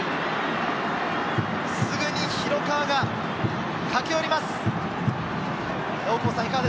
すぐに広川が駆け寄ります。